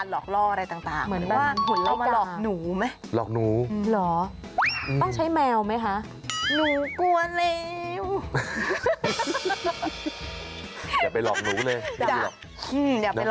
นกมันสามารถเข้ามาเกาะพังรังก็เป็นไปได้